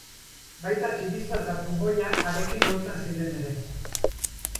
Baita tximista eta trumoia harekin lotzen ziren ere.